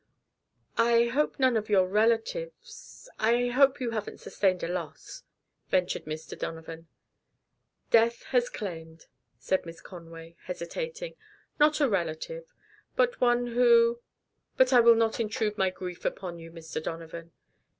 "I hope none of your relatives I hope you haven't sustained a loss?" ventured Mr. Donovan. "Death has claimed," said Miss Conway, hesitating "not a relative, but one who but I will not intrude my grief upon you, Mr. Donovan."